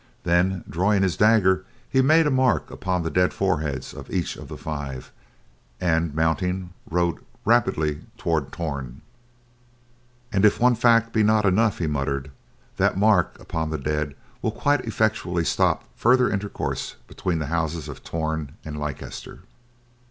Then, drawing his dagger, he made a mark upon the dead foreheads of each of the five, and mounting, rode rapidly toward Torn. "And if one fact be not enough," he muttered, "that mark upon the dead will quite effectually stop further intercourse between the houses of Torn and Leicester."